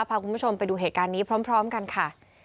พาคุณผู้ชมไปดูเหตุการณ์นี้พร้อมกันค่ะ